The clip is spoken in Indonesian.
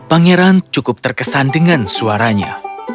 pangeran cukup terkesan dengan suaranya